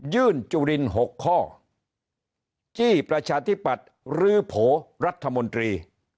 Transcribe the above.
จุลิน๖ข้อจี้ประชาธิปัตย์รื้อโผล่รัฐมนตรี